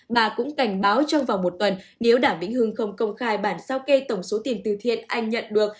bà cũng cảnh báo trong vòng một tuần nếu đảm vĩnh hương không công khai bản sao kê tổng số tiền từ thiện anh nhận được